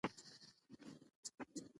د بادیان دانه د څه لپاره وکاروم؟